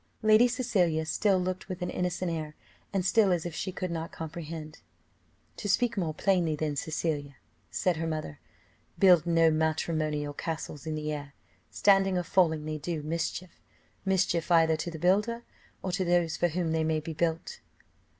Lady Cecilia still looked with an innocent air, and still as if she could not comprehend. "To speak more plainly, then, Cecilia," said her mother, "build no matrimonial castles in the air; standing or falling they do mischief mischief either to the builder, or to those for whom they may be built."